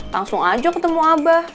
langsung aja ketemu abah